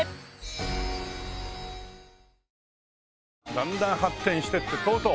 だんだん発展していってとうとう。